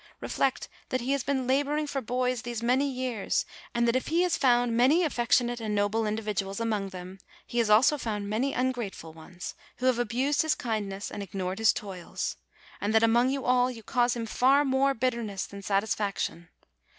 Reflect that he has been laboring for boys these many years, and that if he has found many affectionate and noble individuals among them, he has also found many ungrateful ones, who have abused his kindness and ig GRATITUDE 83 nored his toils; and that, among you all, you cause him far more bitterness than satisfaction.